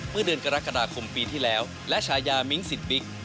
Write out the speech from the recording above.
เมื่อเดือนกรกฎาคมปีที่แล้วและชายามิ้งสิทธิบิ๊ก